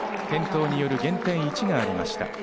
転倒による減点１がありました。